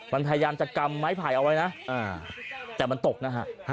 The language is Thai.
มันพยายามจะกำไม้ไผ่เอาไว้นะแต่มันตกนะฮะ